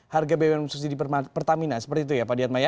harga bbm susi di pertamina seperti itu ya pak adi atma ya